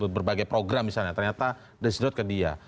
berbagai program misalnya ternyata disedot ke dia